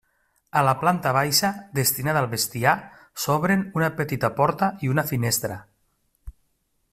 A la planta baixa, destinada al bestiar, s'obren una petita porta i una finestra.